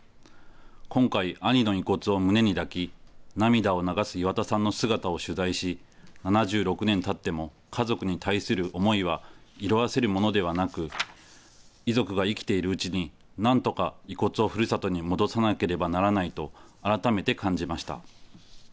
今回、兄の遺骨を胸に抱き、涙を流す岩田さんの姿を取材し、７６年たっても家族に対する思いは色あせるものではなく、遺族が生きているうちになんとか遺骨をふるさとに戻さなければならないと、改めて感じました。